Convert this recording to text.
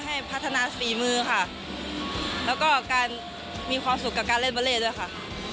ให้พัฒนาฝีมือค่ะแล้วก็การมีความสุขกับการเล่นเบอร์เล่ด้วยค่ะ